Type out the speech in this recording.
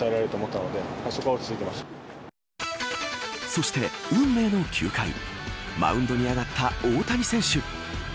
そして、運命の９回マウンドに上がった大谷選手。